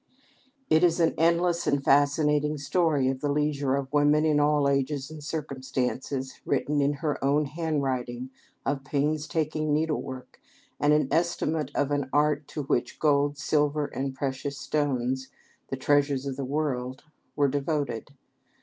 It is an endless and fascinating story of the leisure of women in all ages and circumstances, written in her own handwriting of painstaking needlework and an estimate of an art to which gold, silver, and precious stones the treasures of the world were devoted.